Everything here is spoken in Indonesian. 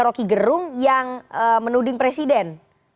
roky gerung yang menuding presiden